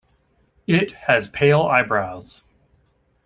It has pale eyebrows.